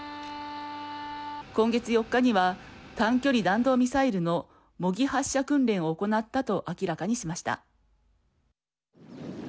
今月４日には短距離弾道ミサイルの模擬発射訓練を行ったと明らかにしました。